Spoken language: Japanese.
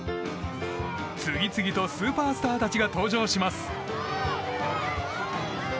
次々とスーパースターたちが登場します。